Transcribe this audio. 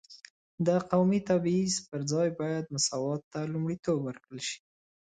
د قومي تبعیض پر ځای باید مساوات ته لومړیتوب ورکړل شي.